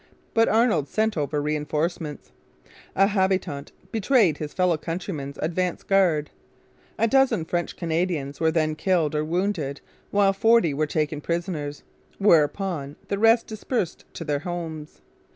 But Arnold sent over reinforcements. A habitant betrayed his fellow countrymen's advance guard. A dozen French Canadians were then killed or wounded while forty were taken prisoners; whereupon the rest dispersed to their homes.